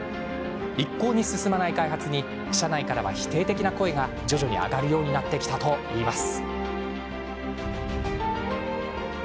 一向に進まない開発に社内からは否定的な声が徐々に上がるようになってきたといいます。